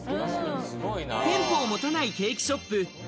店舗を持たないケーキショップ